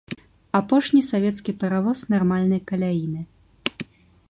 Апошні савецкі паравоз нармальнай каляіны.